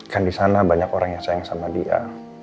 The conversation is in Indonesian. kan di sana banyak orang yang sayang sama dia